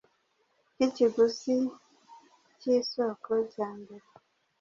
by’ikiguzi k’isoko rya mbere.